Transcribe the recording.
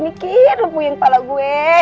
nih kiru puyeng pala gue